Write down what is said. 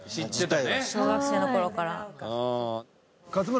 小学生の頃から。